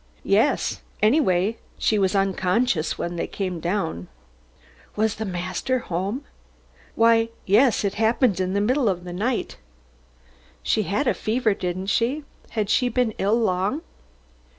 "Yes. Anyway she was unconscious when we came down." "Was the master at home?" "Why, yes, it happened in the middle of the night." "She had a fever, didn't she? Had she been ill long?"